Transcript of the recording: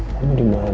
kami dimalukan ren